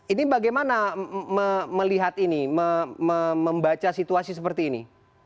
ini bagaimana melihat ini membaca situasi seperti ini